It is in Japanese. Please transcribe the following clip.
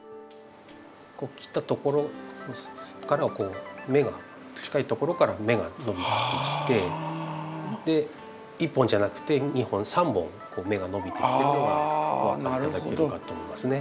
切ったところから芽が近いところから芽が伸びてきまして１本じゃなくて２本３本芽が伸びてきてるのがお分かり頂けるかと思いますね。